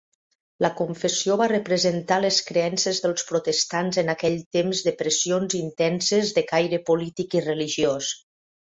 La confessió va representar les creences dels protestants en aquell temps de pressions intenses de caire polític i religiós.